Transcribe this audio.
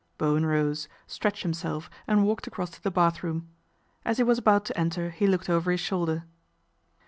Bowen rose, stretched himself and walked across to the bath room. As he was about to enter he looked over his shoulder.